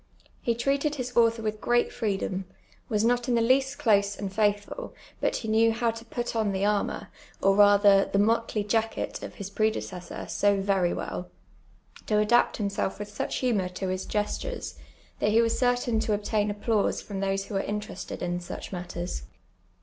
He treated his author with great freedom, was not in the least close and faithful, but he knew how to \nii on the armour, or rather the motley jacket, of his predecessor so very well, to adaj)t himself witli such humour to his p^estures, that he was certain to obtain applause from those who were interested in such matters.